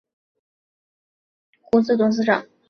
担任中国卫星发射代理有限公司董事长。